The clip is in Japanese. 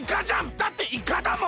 だっていかだもん！